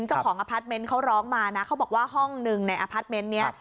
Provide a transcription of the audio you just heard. เจ้าของอพาร์ทเมนต์เขาร้องมานะเขาบอกว่าห้องหนึ่งในอพาร์ทเมนต์นี้